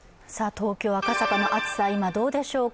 東京・赤坂の暑さ、今どうでしょうか。